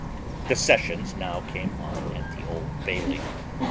The sessions now came on at the Old Bailey.